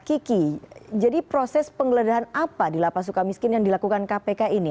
kiki jadi proses penggeledahan apa di lapas suka miskin yang dilakukan kpk ini